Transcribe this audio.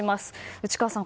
内川さん